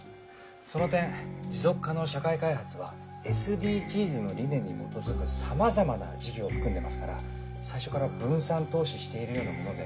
その点持続可能社会開発はＳＤＧｓの理念に基づく様々な事業を含んでますから最初から分散投資しているようなもので。